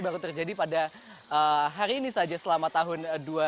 baru terjadi pada hari ini saja selama tahun dua ribu dua puluh